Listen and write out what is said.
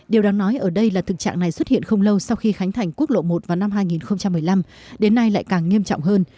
điều đáng nói ở đây là thực trạng này xuất hiện không lâu sau khi khánh thành quốc lộ một vào năm hai nghìn một mươi năm đến nay lại càng nghiêm trọng hơn